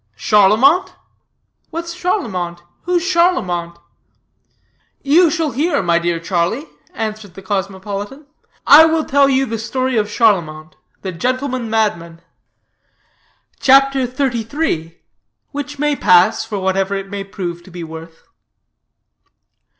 "Charlemont? What's Charlemont? Who's Charlemont?" "You shall hear, my dear Charlie," answered the cosmopolitan. "I will tell you the story of Charlemont, the gentleman madman." CHAPTER XXXIII. WHICH MAY PASS FOR WHATEVER IT MAY PROVE TO BE WORTH.